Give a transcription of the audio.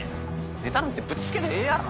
ネタなんてぶっつけでええやろ。